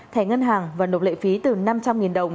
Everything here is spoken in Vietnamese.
thẻ ngân hàng và nộp lệ phí từ năm trăm linh đồng